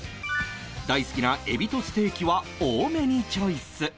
大好きなエビとステーキは多めにチョイス